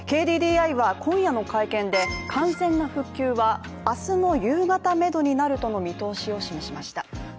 ＫＤＤＩは今夜の会見で完全な復旧は明日の夕方めどになるとの見通しを示しました。